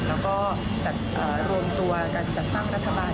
แล้วก็รวมตัวกันจัดข้างรัฐบาล